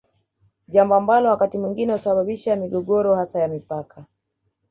Jambo ambalo wakati mwingine husababisha migogoro hasa ya mipaka